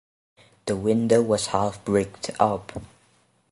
The window was half bricked up.